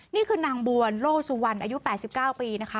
นี่คือนางบัวโลสุวรรณอายุ๘๙ปีนะคะ